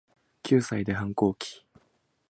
九歳で反抗期